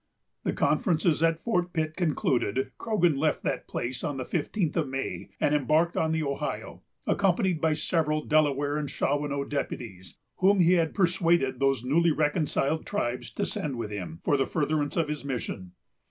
The conferences at Fort Pitt concluded, Croghan left that place on the fifteenth of May, and embarked on the Ohio, accompanied by several Delaware and Shawanoe deputies, whom he had persuaded those newly reconciled tribes to send with him, for the furtherance of his mission.